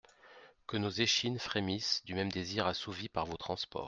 Que nos échines frémissent du même désir assouvi par vos transports.